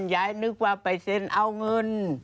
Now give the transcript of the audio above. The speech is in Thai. ยายนึกว่าไปเซ็นเอาเงิน